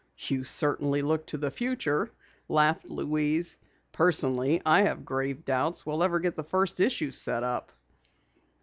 "You certainly look to the future," laughed Louise. "Personally I have grave doubts we'll ever get the first issue set up."